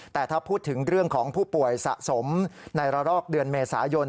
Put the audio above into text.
แต่ถ้าพูดถึงเรื่องของผู้ป่วยสะสมในระลอกเดือนเมษายน